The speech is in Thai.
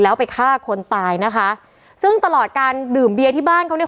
แล้วไปฆ่าคนตายนะคะซึ่งตลอดการดื่มเบียร์ที่บ้านเขาเนี่ย